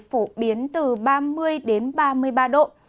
phổ biến từ ba mươi đến ba mươi ba độ